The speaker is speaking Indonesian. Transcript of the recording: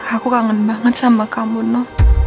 aku kangen banget sama kamu no